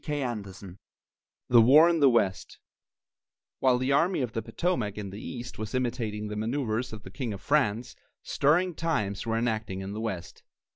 CHAPTER V THE WAR IN THE WEST While the Army of the Potomac in the east was imitating the manoeuvres of the King of France, stirring times were enacting in the west.